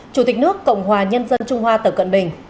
chủ tịch nước cộng hòa nhân dân trung hoa tập cận bình